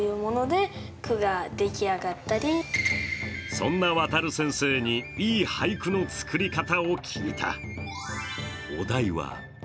そんな航先生にいい俳句の作り方を聞いた。